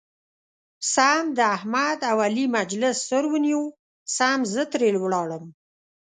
سم د احمد او علي مجلس سور ونیو سم زه ترې ولاړم.